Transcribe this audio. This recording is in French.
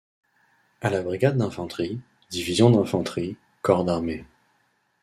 A la Brigade d'Infanterie, division d'infanterie, Corps d'Armée.